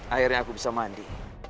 akhirnya aku bisa mandi